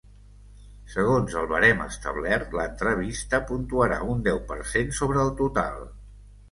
Segons el barem establert, l’entrevista puntuarà un deu per cent sobre el total.